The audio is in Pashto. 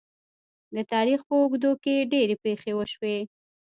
د تاریخ په اوږدو کې ډیرې پېښې وشوې.